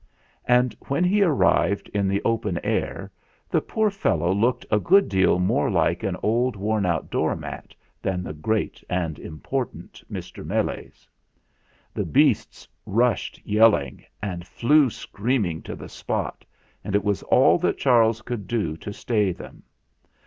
And when he arrived in the open air, the poor fellow looked a good deal more like an old worn out doormat than the great and important Mr. Meles. The beasts rushed yelling, and flew scream ing to the spot, and it was all that Charles could do to stay them.